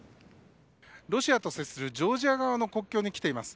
ロシアと接するジョージア側の国境に来ています。